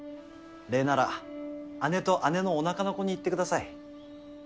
礼なら姉と姉のおなかの子に言ってください。